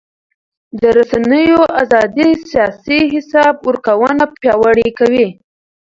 د رسنیو ازادي سیاسي حساب ورکونه پیاوړې کوي